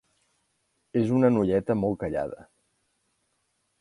És una noieta molt callada.